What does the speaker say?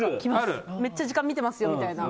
めっちゃ時間見てますよみたいな。